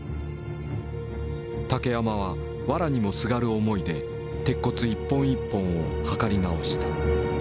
竹山はわらにもすがる思いで鉄骨一本一本を測り直した。